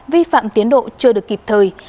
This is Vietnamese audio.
vi phạm tiến độ chưa được kịp thời